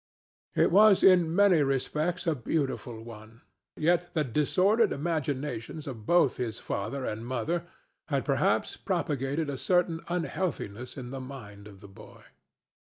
It was in many respects a beautiful one, yet the disordered imaginations of both his father and mother had perhaps propagated a certain unhealthiness in the mind of the boy.